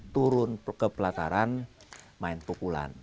turun ke pelataran main pukulan